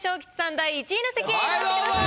第１位の席へ移動してください。